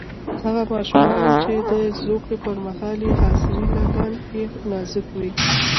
هغه ماشومان چې د زوکړې پر مهال یې خاصرې لګن یې نازک وي.